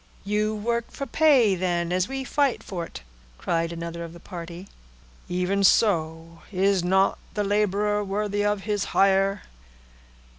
"You work for pay, then, as we fight for't?" cried another of the party. "Even so—is not the laborer worthy of his hire?"